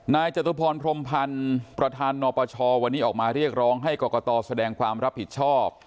จตุพรพรมพันธ์ประธานนปชวันนี้ออกมาเรียกร้องให้กรกตแสดงความรับผิดชอบ